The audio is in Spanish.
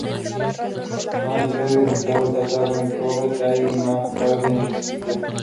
Mark Davis estaba casado con Kobe Tai y, más tarde, con Kitten.